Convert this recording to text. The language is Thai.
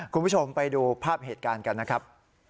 คุณผู้ชมไปดูภาพเหตุการณ์กันนะครับ